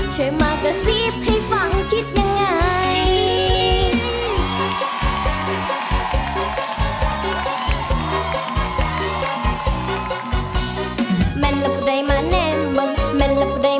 ช่วยมากระซิบให้ฟังคิดยังไง